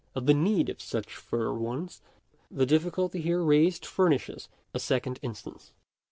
Of the need for such further ones, the difficulty here raised furnishes a second instance.